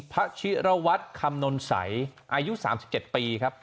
พระชิรวรรษคำนลสัยอายุ๓๗ปีครับ